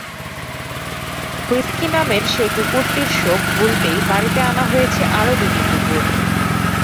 Whisky নামের সেই কুকুরটির শোক ভুলতেই বাড়িতে আনা হয়েছে আরও দুটি কুকুর।